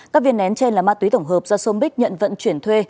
các viên nén trên là ma túy tổng hợp do som bích nhận vận chuyển thuê